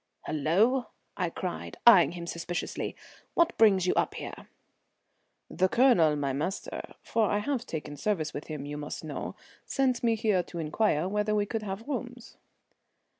"Hullo!" I cried, eying him suspiciously. "What brings you up here?" "The Colonel, my master for I have taken service with him, you must know sent me here to inquire whether we could have rooms."